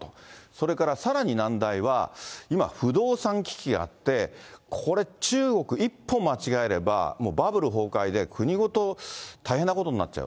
それからさらに難題は、今、不動産危機があって、これ、中国、一歩間違えれば、バブル崩壊で、国ごと大変なことになっちゃう。